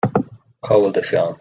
Cá bhfuil do pheann